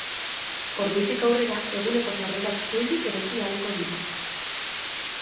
Ordutik aurrera eguneko sarrerak soilik erosi ahalko dra.